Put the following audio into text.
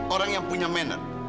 orang yang punya manner